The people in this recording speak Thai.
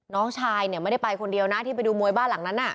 น้องชายเนี่ยไม่ได้ไปคนเดียวนะที่ไปดูมวยบ้านหลังนั้น